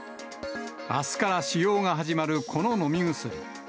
あすから使用が始まるこの飲み薬。